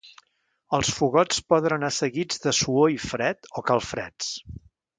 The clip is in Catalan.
Els fogots poden anar seguits de suor i fred o calfreds.